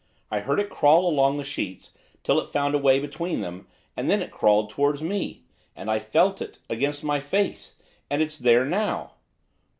I heard it crawl along the sheets, till it found a way between them, and then it crawled towards me. And I felt it against my face. And it's there now.